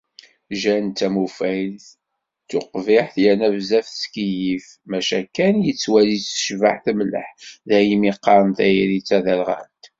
Jane d tamufayt, d tuqbiḥt yerna bezzaf tettkeyyif. Maca Ken yettwali-t tecbeḥ temleḥ. Daymi qqaren tayri d taderɣalt.